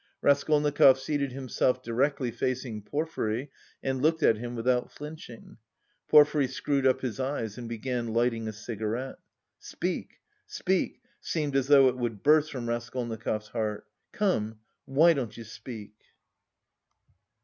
Raskolnikov seated himself directly facing Porfiry, and looked at him without flinching. Porfiry screwed up his eyes and began lighting a cigarette. "Speak, speak," seemed as though it would burst from Raskolnikov's heart. "Come, why don't you speak?"